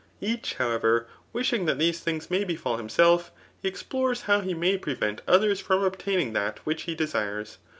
Each, however, wishing that these things may befal himself, he explores how he may prevent others from. obtaining that which he desires.